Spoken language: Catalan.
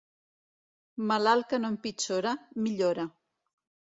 Malalt que no empitjora, millora.